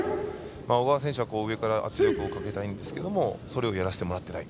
小川選手は上から圧力をかけたいんですけどもそれをやらせてもらえない。